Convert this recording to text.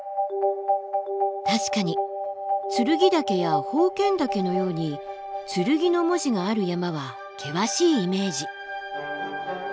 確かに剱岳や宝剣岳のように「剣」の文字がある山は険しいイメージ。